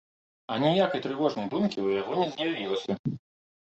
Аніякай трывожнай думкі ў яго не з'явілася.